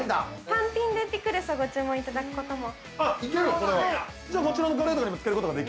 ◆単品でピクルスをご注文いただくことも。